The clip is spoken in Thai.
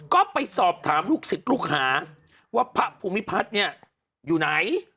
ก็ไปสอบถามลูกศิษย์ลูกหาว่าพระภูมิพัฒน์เนี่ยอยู่ไหน